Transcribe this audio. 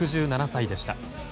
６７歳でした。